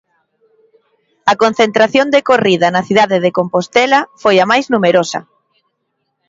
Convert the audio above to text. A concentración decorrida na cidade de Compostela foi a máis numerosa.